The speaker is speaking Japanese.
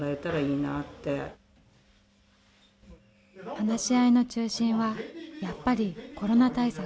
話し合いの中心はやっぱりコロナ対策。